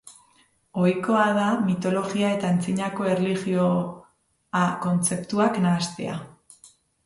Ohikoa da mitolojia eta antzinako erlijioa kontzeptuak nahastea.